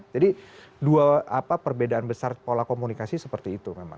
jadi dua apa perbedaan besar pola komunikasi seperti itu memang